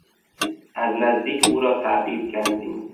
از نزدیک او را تعقیب کردیم.